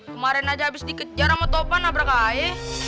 kemaren aja abis dikejar sama topan nabrak aya